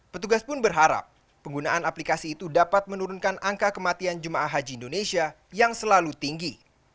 petugas pun berharap penggunaan aplikasi itu dapat menurunkan angka kematian jemaah haji indonesia yang selalu tinggi